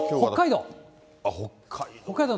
北海道。